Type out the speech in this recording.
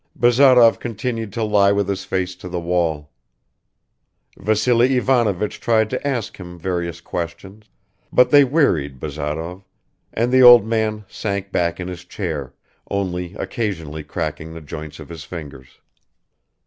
Bazarov continued to lie with his face to the wall. Vassily Ivanovich tried to ask him various questions, but they wearied Bazarov, and the old man sank back in his chair, only occasionally cracking the joints of his fingers.